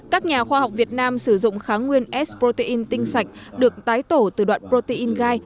các nhà khoa học việt nam sử dụng kháng nguyên es protein tinh sạch được tái tổ từ đoạn protein gai